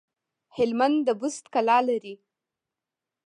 هلمند د بست کلا لري